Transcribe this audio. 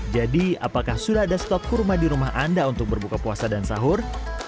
jadi apakah sudah ada stok kurma di rumah anda untuk berbuka puasa dan sahur